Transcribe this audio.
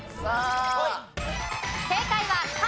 正解は肩。